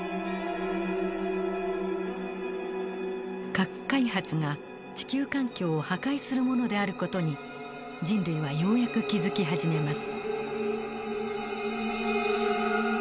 核開発が地球環境を破壊するものである事に人類はようやく気付き始めます。